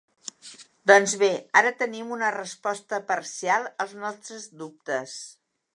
Doncs bé, ara tenim una resposta parcial als nostres dubtes.